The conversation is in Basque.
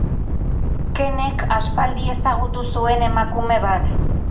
Kenek aspaldi ezagutu zuen emakume bat.